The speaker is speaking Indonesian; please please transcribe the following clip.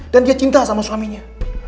dan dia cinta sama suaminya